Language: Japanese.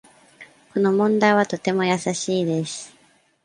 この問題はとても易しいです。